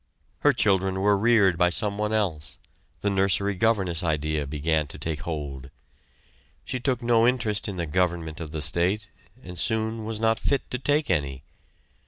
Her children were reared by someone else the nursery governess idea began to take hold. She took no interest in the government of the state, and soon was not fit to take any.